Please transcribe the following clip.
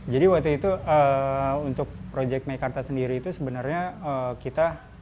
jadi waktu itu untuk proyek maikarta sendiri itu sebenarnya kita